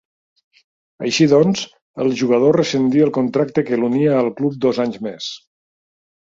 Així doncs, el jugador rescindí el contracte que l'unia al club dos anys més.